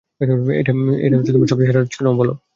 এটা সবচেয়ে সেরা রাত ছিলো কিনা বল?